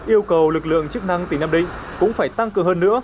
yêu cầu lực lượng chức năng tỉnh nam định cũng phải tăng cường hơn nữa